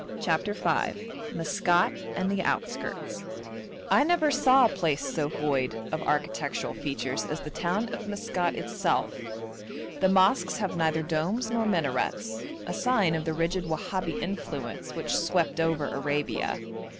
] CHAPTER V MASKAT AND THE OUTSKIRTS I never saw a place so void of architectural features as the town of Maskat itself. The mosques have neither domes nor minarets a sign of the rigid Wahabi influence which swept over Arabia.